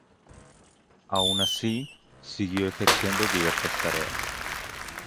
Aun así, siguió ejerciendo diversas tareas.